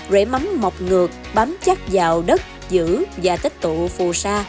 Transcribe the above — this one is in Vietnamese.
rễ mắm mọc ngược bám chắc vào đất giữ và tích tụ phù sa